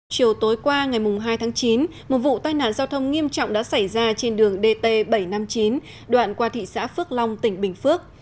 chiều tối qua ngày hai tháng chín một vụ tai nạn giao thông nghiêm trọng đã xảy ra trên đường dt bảy trăm năm mươi chín đoạn qua thị xã phước long tỉnh bình phước